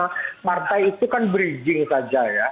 karena partai itu kan bridging saja ya